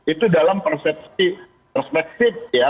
itu dalam persepsi perspektif ya